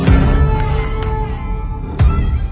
ที่สุดท้าย